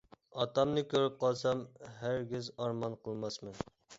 ئاتامنى كۆرۈپ قالسام، ھەرگىز ئارمان قىلماسمەن.